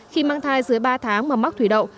khi mang thai dưới ba tháng mà mắc thủy đậu